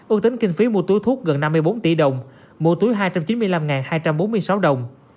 ước tính kinh phí mua túi thuốc gần năm mươi bốn tỷ đồng mua túi hai trăm chín mươi năm hai trăm bốn mươi sáu đồng